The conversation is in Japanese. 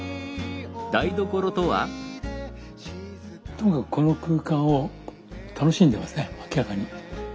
ともかくこの空間を楽しんでますね明らかに。